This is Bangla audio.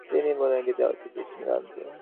তিনি বলিলেন গীতা অতি প্রাচীন গ্রন্থ।